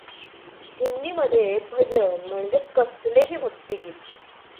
हिंदीमध्ये भजन म्हणजे कसलेही भक्तिगीत.